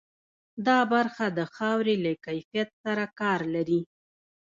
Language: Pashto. دا برخه د خاورې له کیفیت سره کار لري.